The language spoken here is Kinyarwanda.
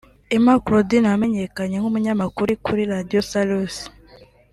Emma Claudine wamenyekanye nk’umunyamakuru kuri Radio Salus